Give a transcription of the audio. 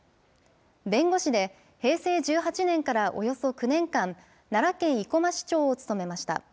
弁護士で、平成１８年からおよそ９年間、奈良県生駒市長を務めました。